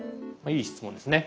いい質問ですね。